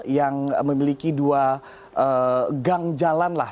yang memiliki dua gang jalan lah